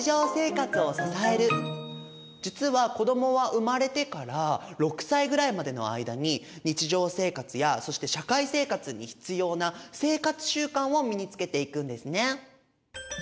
実は子どもは生まれてから６歳ぐらいまでの間に日常生活やそして社会生活に必要な生活習慣を身につけていくんですね。